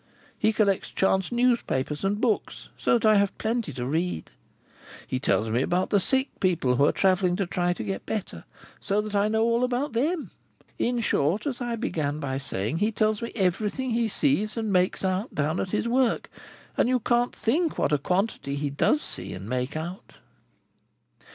He collects chance newspapers and books—so that I have plenty to read! He tells me about the sick people who are travelling to try to get better—so that I know all about them! In short, as I began by saying, he tells me everything he sees and makes out, down at his work, and you can't think what a quantity he does see and make out."